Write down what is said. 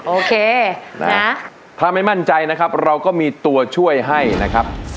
โอเคนะถ้าไม่มั่นใจนะครับเราก็มีตัวช่วยให้นะครับ